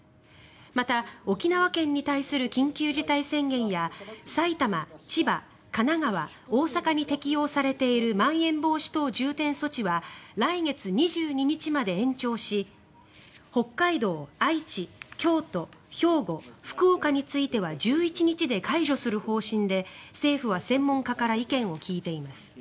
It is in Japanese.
また、沖縄県に対する緊急事態宣言や埼玉、千葉、神奈川、大阪に適用されているまん延防止等重点措置は来月２２日まで延長し北海道、愛知、京都兵庫、福岡については１１日で解除する方針で政府は専門家から意見を聞いています。